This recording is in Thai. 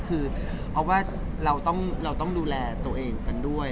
คือเพราะว่าเราต้องดูแลตัวเองกันด้วย